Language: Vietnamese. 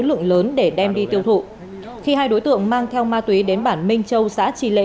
lượng lớn để đem đi tiêu thụ khi hai đối tượng mang theo ma túy đến bản minh châu xã tri lễ